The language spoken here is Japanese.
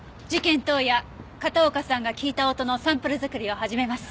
当夜片岡さんが聞いた音のサンプル作りを始めます。